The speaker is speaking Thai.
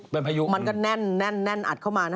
เป็นพายุมันก็แน่นอัดเข้ามานะ